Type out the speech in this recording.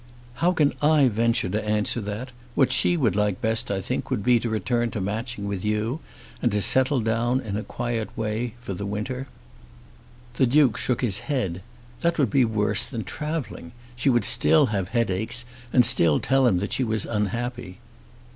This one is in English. "How can I venture to answer that? What she would like best, I think, would be to return to Matching with you, and to settle down in a quiet way for the winter." The Duke shook his head. That would be worse than travelling. She would still have headaches and still tell him that she was unhappy.